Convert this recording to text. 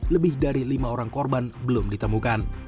lebih dari lima orang korban belum ditemukan